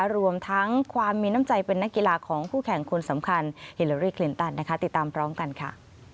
รวมทั้งความมีน้ำใจเป็นนักกีฬาของคู่แข่งคนสำคัญฮิลารี่คลินตันนะคะติดตามพร้อมกันค่ะ